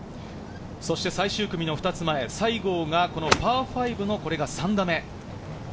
最終組の２つ前、西郷がパー５のこれが３打目。